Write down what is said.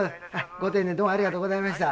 ご丁寧にどうもありがとうございました。